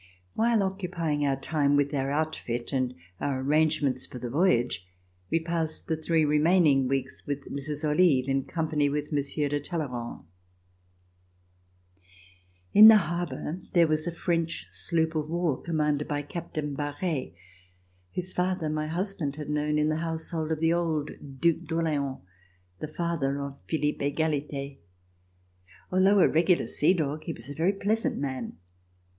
While occupying our time with our outfit and our arrangements for the voyage, we passed the three remaining weeks with Mrs. Olive, in company with Monsieur de Talleyrand. [241 ] RECOLLECTIONS OF THE REVOLUTION In the harbor there was a French sloop of war, commanded by Captain Barre, whose father my husband had known in the household of the old Due d'Orleans, the father of Philippe Egalite. Although a regular sea dog, he was a very pleasant man.